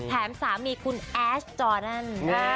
แถมสามีคุณแอชจอดัน